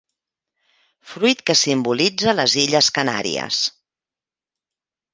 Fruit que simbolitza les Illes Canàries.